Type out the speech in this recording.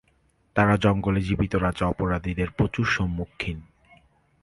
তারা জঙ্গলে জীবিত রাজা অপরাধীদের প্রচুর সম্মুখীন।